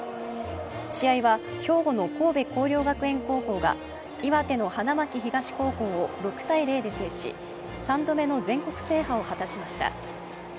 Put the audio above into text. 試合は兵庫の神戸弘陵学園高校が岩手の花巻東高校を６−０で制し、３度目の全国制覇を果たしました。